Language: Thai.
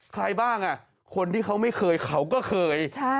ใครบ้างคนที่เขาไม่เคยเขาก็เคย